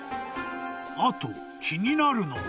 ［あと気になるのが］